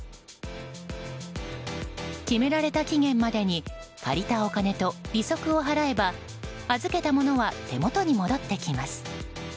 決められた期限までに借りたお金と利息を払えば預けたものは手元に戻ってきます。